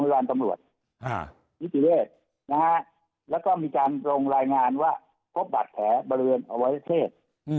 แล้วก็มีการลงรายงานว่าพบรัสแท้บริเวณเอาไว้เพศ